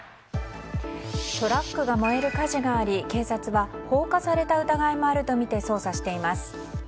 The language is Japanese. トラックが燃える火事があり警察は放火された疑いもあるとみて捜査しています。